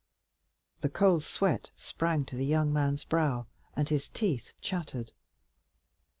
The cold sweat sprang to the young man's brow, and his teeth chattered.